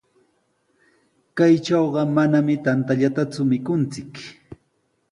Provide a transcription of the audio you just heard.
Kaytrawqa manami tantallataku mikunchik.